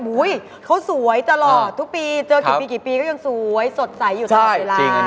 เขาสวยตลอดทุกปีเจอกี่ปีกี่ปีก็ยังสวยสดใสอยู่ตลอดเวลา